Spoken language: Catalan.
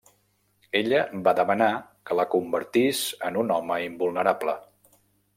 Ella va demanar que la convertís en un home invulnerable.